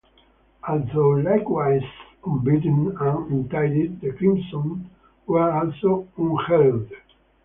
Although likewise unbeaten and untied, the Crimson were also unheralded.